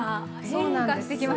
そうなんです。